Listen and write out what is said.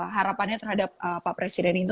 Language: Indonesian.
harapannya terhadap pak presiden itu